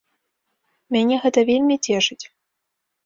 Мяне гэта вельмі цешыць.